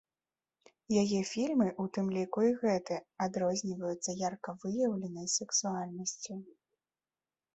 Яе фільмы, у тым ліку і гэты, адрозніваюцца ярка выяўленай сексуальнасцю.